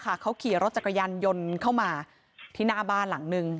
หากเขาขี่รถกลายกะยันเย็นเข้ามาที่หน้าบ้านหลังหนึ่ง